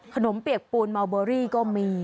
ขนมเปียกปูนมัลเบอรี่ก็มี